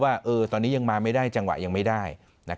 ว่าตอนนี้ยังมาไม่ได้จังหวะยังไม่ได้